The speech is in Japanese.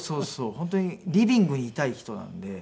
本当にリビングにいたい人なんで。